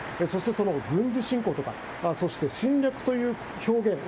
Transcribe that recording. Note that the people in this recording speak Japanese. そして、その軍事侵攻とか侵略という表現